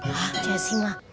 hah jessy ma